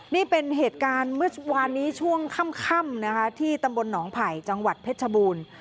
นี่เป็นเหตุการณ์เมื่อวานนี้ช่วงค่ำนะคะที่ตำบลหนองไผ่จังหวัดเพชรชบูรณ์